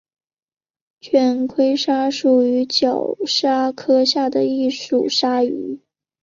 卷盔鲨属是角鲨科下的一属鲨鱼。